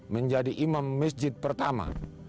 menjadi imam masjid pertama